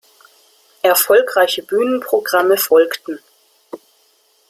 Erfolgreiche Bühnenprogramme folgten.